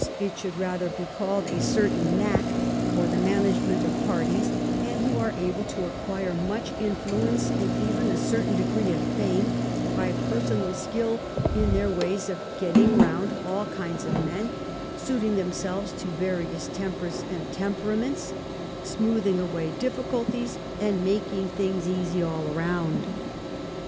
63 it should rather be called a certain knack, for the management of parties, and who are able to acquire much influence, and even a certain degree of fame, by personal skill in their ways of getting round all kinds of men, suiting themselves to various tempers and temperaments, smoothing away difficulties, and making things easy all round.